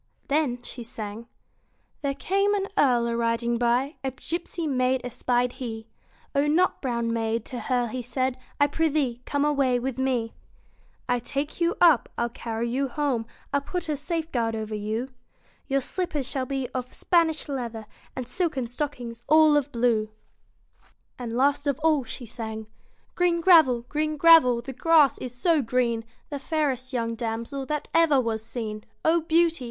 Then she sang There came an earl a riding by, A gipsy maid espied he ; O nut brown maid, to her he said, I prithee, come away with me. 90 I '11 take you up, I '11 carry you home, BEAUTY I '11 put a safeguard over you ; A *Jg THE Your slippers shall be of Spanish leather, And silken stockings all of blue. And last of all she sang Green gravel ! Green gravel 1 The grass is so green, The fairest young damsel That ever was seen. O Beauty